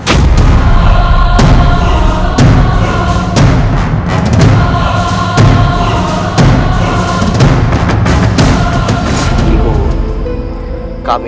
dan berjaya menanggapi masalahmu